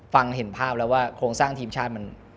เห็นภาพแล้วว่าโครงสร้างทีมชาติมัน